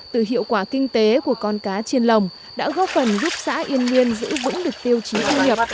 từ hiệu quả kinh tế của con cá trên lồng đã góp phần giúp xã yên nguyên giữ vững được tiêu chí thu nhập